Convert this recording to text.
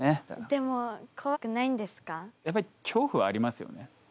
でもやっぱり恐怖はありますよね。